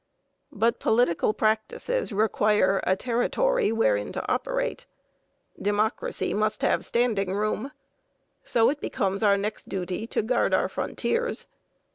But political practices require a territory wherein to operate democracy must have standing room so it becomes our next duty to guard our frontiers.